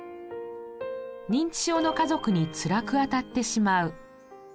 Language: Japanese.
認知症の家族につらくあたってしまう。